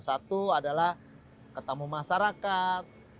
satu adalah ketemu masyarakat